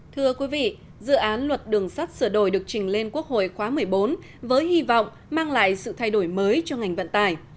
thưa quý vị dự án luật đường sắt sửa đổi được trình lên quốc hội khóa một mươi bốn với hy vọng mang lại sự thay đổi mới cho ngành vận tải